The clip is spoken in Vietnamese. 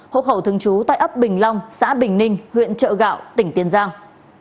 hộ khẩu thường trú tại ấp bình long xã bình ninh huyện trợ gạo tỉnh tiền giang